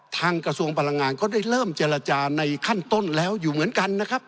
กระทรวงพลังงานก็ได้เริ่มเจรจาในขั้นต้นแล้วอยู่เหมือนกันนะครับ